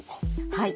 はい。